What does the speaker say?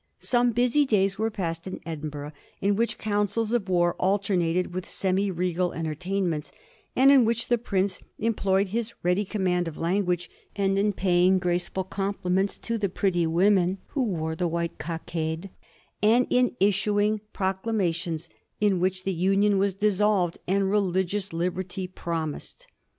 Some busy days were passed in Edinburgh in which councils of war alternated with semi regal entertainments, and in which the prince employed his ready command of language in paying graceful compliments to the pretty women who wore the white cockade, and in issuing procla mations in which the Union was dissolved and religious liberty promised.